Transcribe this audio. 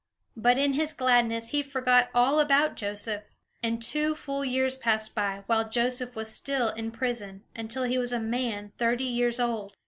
But in his gladness, he forgot all about Joseph. And two full years passed by, while Joseph was still in prison, until he was a man thirty years old.